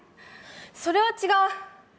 それは違う！